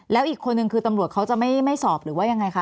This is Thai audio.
แล้วอีกคนนึงคือตำรวจเขาจะไม่สอบหรือว่ายังไงคะ